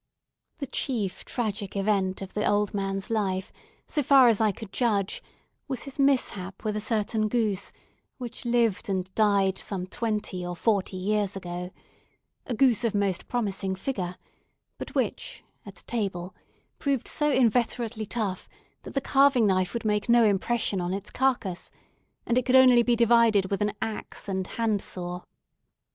The chief tragic event of the old man's life, so far as I could judge, was his mishap with a certain goose, which lived and died some twenty or forty years ago: a goose of most promising figure, but which, at table, proved so inveterately tough, that the carving knife would make no impression on its carcase, and it could only be divided with an axe and handsaw.